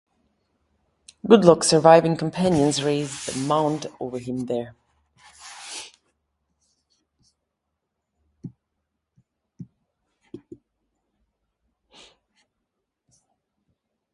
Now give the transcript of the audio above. Gudlaug's surviving companions raised a mound over him there.